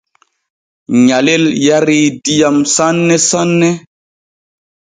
Nyalel yarii diyam sanne sanne.